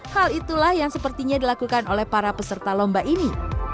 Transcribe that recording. hal itulah yang sepertinya dilakukan oleh para peserta lomba ini